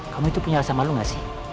kamu itu punya rasa malu gak sih